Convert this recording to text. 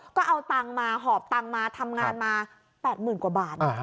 ก็เอาตังมาหอบตังมาทำงานมาแปดหมื่นกว่าบาทอ่า